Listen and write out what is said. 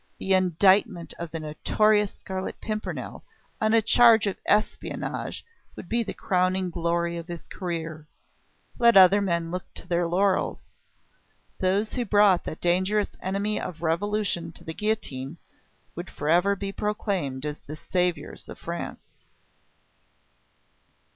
The indictment of the notorious Scarlet Pimpernel on a charge of espionage would be the crowning glory of his career! Let other men look to their laurels! Those who brought that dangerous enemy of revolution to the guillotine would for ever be proclaimed as the saviours of France.